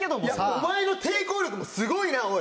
お前の抵抗力もすごいなおい！